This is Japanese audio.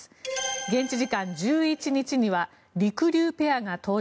現地時間１１日にはりくりゅうペアが登場。